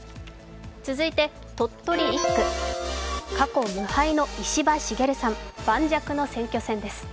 続いて鳥取１区、過去無敗の石破茂さん、磐石の選挙戦です。